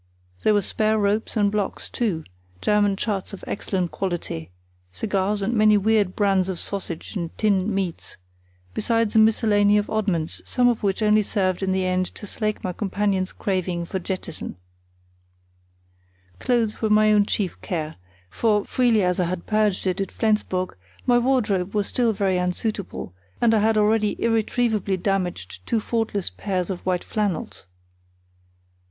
There were spare ropes and blocks, too; German charts of excellent quality; cigars and many weird brands of sausage and tinned meats, besides a miscellany of oddments, some of which only served in the end to slake my companion's craving for jettison. Clothes were my own chief care, for, freely as I had purged it at Flensburg, my wardrobe was still very unsuitable, and I had already irretrievably damaged two faultless pairs of white flannels.